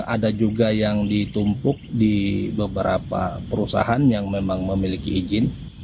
ada juga yang ditumpuk di beberapa perusahaan yang memang memiliki izin